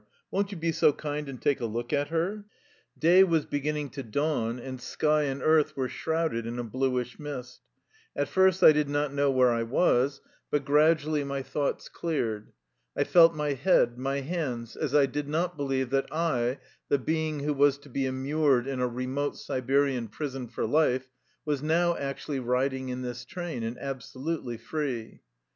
Won't you be so kind and take a look at her?" Day was beginning to dawn, and sky and earth were shrouded in a bluish mist. At first I did not know where I was, but gradually my 229 THE LIFE STOEY OF A KUSSIAN EXILE thoughts cleared. I felt my head, my hands, as I did not believe that I, the being who was to be immured in a remote Siberian prison for life, was now actually riding in this train, and abso lutely free.